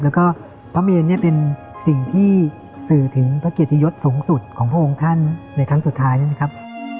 แล้วก็พระเมนเนี่ยเป็นสิ่งที่สื่อถึงพระเกียรติยศสูงสุดของพระองค์ท่านในครั้งสุดท้ายนะครับ